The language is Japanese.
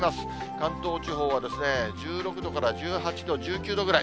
関東地方は１６度から１８度、１９度ぐらい。